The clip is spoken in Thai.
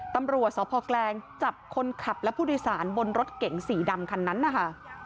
ตำรวจสพแกลงจับคนขับและผู้โดยสารบนรถเก๋งสีดำคันนั้นนะคะ